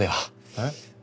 えっ？